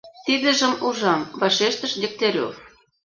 — Тидыжым ужам, — вашештыш Дегтярев.